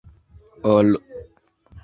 ol